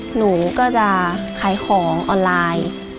หนูก็จะขายของออนไลน์